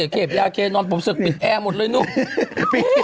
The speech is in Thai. เค็บยาวเขนนอนป๋อเนิ่มสึกปิดแอร์หมดเลยนุ่ง